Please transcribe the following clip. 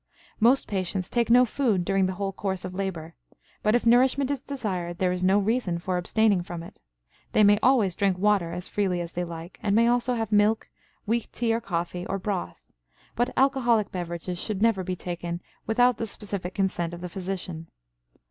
Most patients take no food during the whole course of labor, but, if nourishment is desired, there is no reason for abstaining from it. They may always drink water as freely as they like, and may also have milk, weak tea or coffee, or broth; but alcoholic beverages should never be taken without the specific consent of the physician.